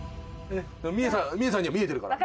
峰さんには見えてるから。